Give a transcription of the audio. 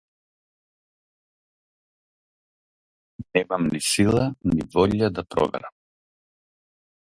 Немам ни сила ни волја да проверам.